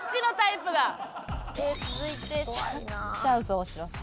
続いてチャンス大城さん。